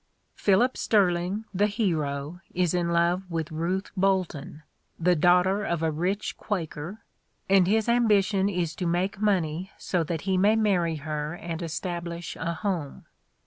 Philip Sterling, the hero, is in love with Ruth Bolton, the daughter of a rich Quaker, and his ambition is to make money so that he may marry her and establish a home.